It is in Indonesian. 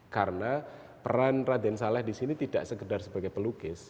karena peran raden salah disini tidak sekedar sebagai pelukis